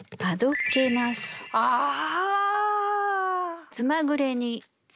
ああ！